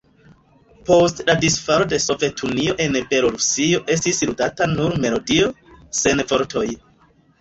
Post la disfalo de Sovetunio en Belorusio estis ludata nur melodio, sen vortoj.